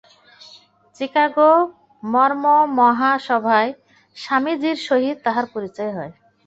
চিকাগো ধর্মমহাসভায় স্বামীজীর সহিত তাঁহার পরিচয় হয়।